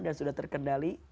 dan sudah terkendali